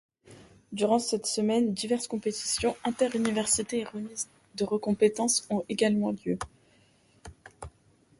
Durant cette semaine, diverses compétitions inter-universités et remises de récompenses ont également lieu.